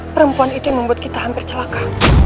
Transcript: perempuan itu yang membuat kita hampir celaka